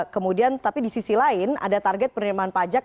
kemudian tapi di sisi lain ada target penerimaan pajak